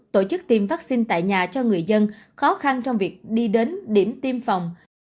tổ chức tiêm vaccine tại nhà cho người dân khó khăn trong việc đi đến điểm tiêm phòng